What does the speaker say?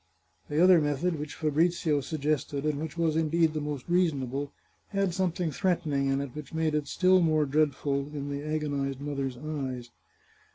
The other method, which Fabrizio suggested, and which was indeed the most reasonable, had something threatening about it, which made it almost still more dreadful in the agonized mother's eyes.